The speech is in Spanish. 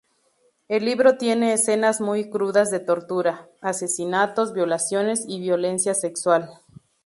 El libro tiene escenas muy crudas de tortura, asesinatos, violaciones y violencia sexual.